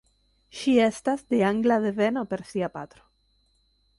Ŝi estas de angla deveno per sia patro.